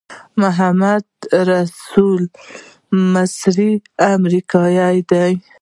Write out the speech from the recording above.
محمدرسول مصری امریکایی دی.